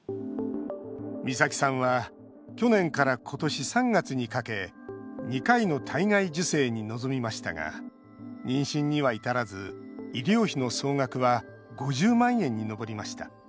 美咲さんは去年から今年３月にかけ２回の体外受精に臨みましたが妊娠には至らず医療費の総額は５０万円に上りました。